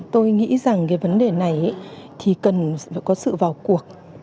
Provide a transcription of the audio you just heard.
tôi nghĩ rằng cái vấn đề này thì cần phải có sự vào cuộc